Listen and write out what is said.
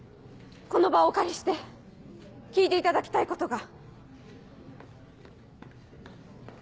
この場をお借りして聞いていただきたいことが。